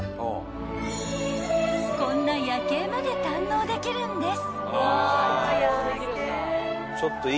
［こんな夜景まで堪能できるんです］